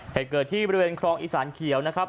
เหตุเกิดที่บริเวณครองอีสานเขียวนะครับ